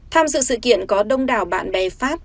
tham dự sự kiện có đông đảo bạn bè pháp